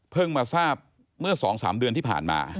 มาทราบเมื่อ๒๓เดือนที่ผ่านมา